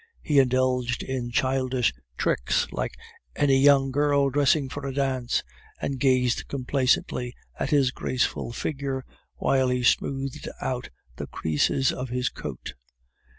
He indulged in childish tricks like any young girl dressing for a dance, and gazed complacently at his graceful figure while he smoothed out the creases of his coat.